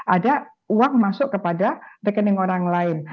ada uang masuk kepada rekening orang lain